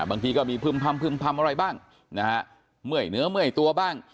บางทีก็มีพึ่มอะไรบ้างเนื้อเมื่อยตัวบ้าง